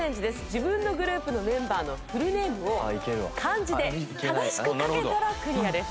自分のグループのメンバーのフルネームを漢字で正しく書けたらクリアです。